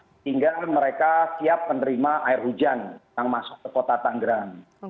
sehingga mereka siap menerima air hujan yang masuk ke kota tanggerang